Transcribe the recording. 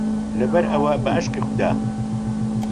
لەبەرئەوە بەعشقی خودا